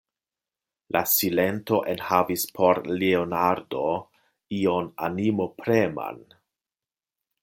La silento enhavis por Leonardo ion animopreman.